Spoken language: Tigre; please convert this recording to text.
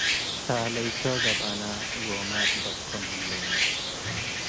ታለይቶ ገብአነ ጎማት በትኮ ምህሌነ